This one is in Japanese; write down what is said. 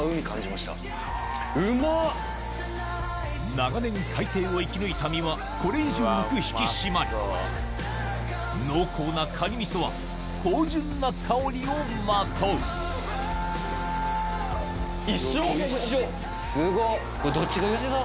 長年海底を生き抜いた身はこれ以上なく引き締まり濃厚なカニミソは芳醇な香りをまとうすごっ！